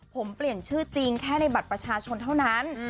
ผมเปลี่ยนชื่อจริงแค่ในบัตรประชาชนเท่านั้น